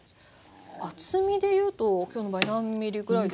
厚みでいうと今日の場合何ｍｍぐらいですか？